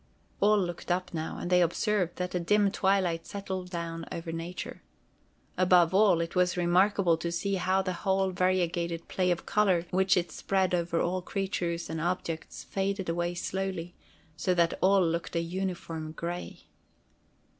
All looked up now, and they observed that a dim twilight settled down over nature. Above all, it was remarkable to see how the whole variegated play of color which it spread over all creatures and objects, faded away slowly, so that all looked a uniform gray.